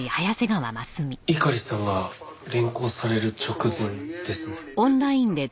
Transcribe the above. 猪狩さんが連行される直前ですね。